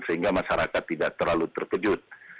sehingga masyarakat tidak terlalu terkejut